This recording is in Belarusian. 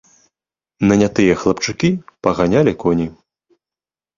Нанятыя хлапчукі паганялі коні.